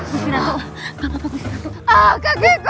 bu siratu apa apa bu siratu